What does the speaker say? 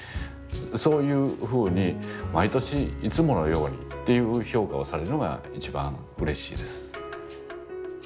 そういうふうに毎年「いつものように」っていう評価をされるのが一番うれしいです。